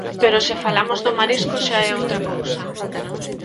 Pero se falamos do marisco xa é outra cousa.